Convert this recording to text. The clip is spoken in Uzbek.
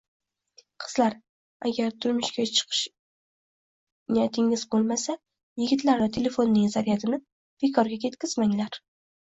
Qizlar, agar turmushga chiqish niyatingiz bo'lmasa, yigitlarni telefonining zaryadini bekorga ketkizmanglar...